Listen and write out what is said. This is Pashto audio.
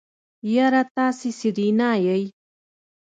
يره تاسې سېرېنا يئ.